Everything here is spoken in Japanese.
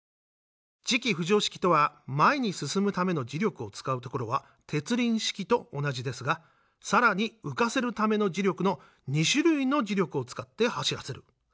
磁気浮上式とは前に進むための磁力を使うところは鉄輪式と同じですが更に浮かせるための磁力の２種類の磁力を使って走らせる。